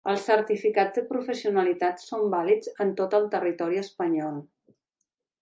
Els certificats de professionalitat són vàlids en tot el territori espanyol.